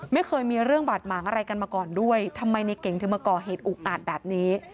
ไม่เคยมีเรื่องบาดหมางอะไรกันมาก่อนด้วยทำไมในเก่งถึงมาก่อเหตุอุกอาจแบบนี้